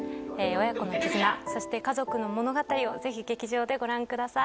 親子の絆そして家族の物語をぜひ劇場でご覧ください。